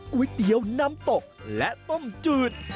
ก๋วยเตี๋ยวน้ำตกและต้มจืด